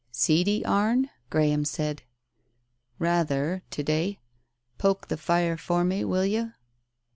"Seedy, Arne?" Graham said. "Rather, to day. Poke the fire for me, will you?"